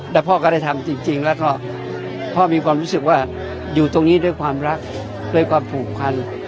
แล้วพ่อก็ได้ทำจริงแล้วก็พ่อมีความรู้สึกว่าอยู่ตรงนี้ด้วยความรักด้วยความผูกพัน